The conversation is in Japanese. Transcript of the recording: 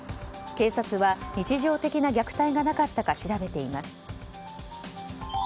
警察は日常的な虐待がなかったか調べています。